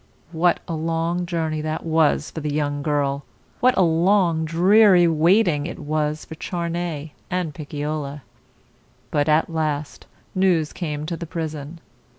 What a long journey that was for the young girl! What a long, dreary waiting it was for Charney and Picciola! But at last news came to the prison.